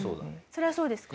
そりゃそうですか？